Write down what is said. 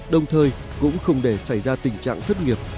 đồng thời cũng không để xảy ra tình trạng thất nghiệp